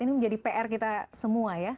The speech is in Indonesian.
ini menjadi pr kita semua ya